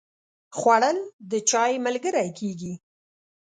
خوړل د چای ملګری کېږي